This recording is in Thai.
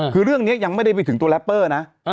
คือเรื่องนี้ยังไม่ได้ไปถึงตัวแรปเปอร์นะ